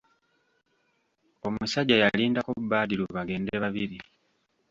Omusajja yalindako Badru bagende babiri.